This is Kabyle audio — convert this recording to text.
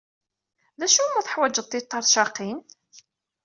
D acu umi teḥwajed tiṭercaqin?